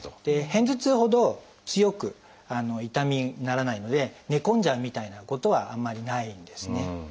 片頭痛ほど強く痛みにならないので寝込んじゃうみたいなことはあんまりないんですね。